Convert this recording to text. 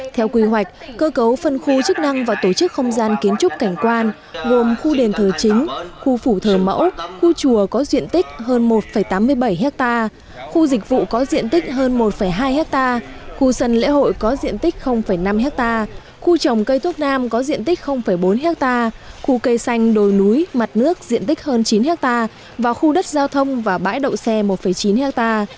theo quy hoạch cơ cấu phân khu chức năng và tổ chức không gian kiến trúc cảnh quan gồm khu đền thờ chính khu phủ thờ mẫu khu chùa có diện tích hơn một tám mươi bảy ha khu dịch vụ có diện tích hơn một hai ha khu sân lễ hội có diện tích năm ha khu trồng cây thuốc nam có diện tích bốn ha khu cây xanh đồi núi mặt nước diện tích hơn chín ha và khu đất giao thông và bãi đậu xe một chín ha